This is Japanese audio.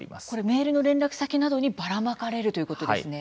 メールの連絡先などにばらまかれるということですね。